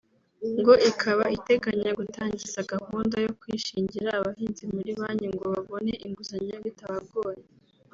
ngo ikaba iteganya gutangiza gahunda yo kwishingira abahinzi muri banki ngo babone inguzanyo bitabagoye